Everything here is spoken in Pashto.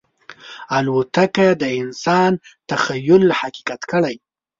الوتکه د انسان تخیل حقیقت کړی.